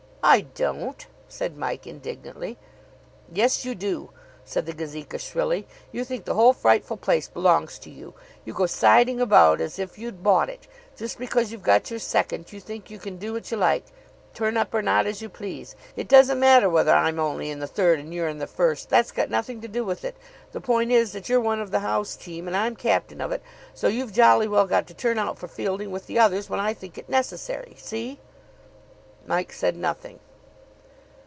"I don't," said Mike indignantly. "Yes, you do," said the Gazeka shrilly. "You think the whole frightful place belongs to you. You go siding about as if you'd bought it. Just because you've got your second, you think you can do what you like; turn up or not, as you please. It doesn't matter whether I'm only in the third and you're in the first. That's got nothing to do with it. The point is that you're one of the house team, and I'm captain of it, so you've jolly well got to turn out for fielding with the others when I think it necessary. See?" Mike said nothing.